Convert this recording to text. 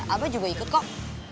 abah juga ikut kok